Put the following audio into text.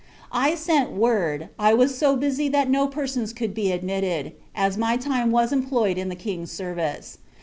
I sent word, I was so busy that no persons could be admitted, as my time was employed in the King's service.